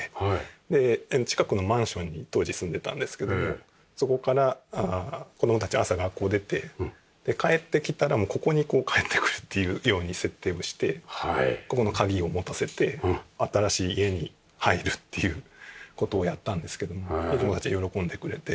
で近くのマンションに当時住んでたんですけどもそこから子供たち朝学校出て帰ってきたらここに帰ってくるっていうように設定をしてここの鍵を持たせて新しい家に入るっていう事をやったんですけども子供たちが喜んでくれて。